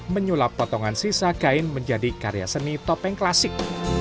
menyulap potongan sisa kain menjadi karya seni topeng klasik